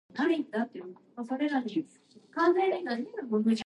Уйламыйча эшләсәң, чирләмичә үләрсең.